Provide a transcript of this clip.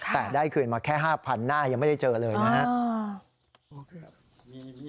แต่ได้คืนมาแค่๕๐๐หน้ายังไม่ได้เจอเลยนะครับ